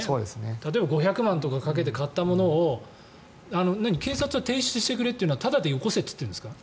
例えば５００万とかかけて買ったものを警察は提出してくれというのはただで寄こせと言っているんですか。